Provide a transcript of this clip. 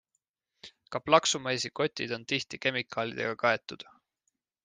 Ka plaksumaisi kotid on tihti kemikaalidega kaetud.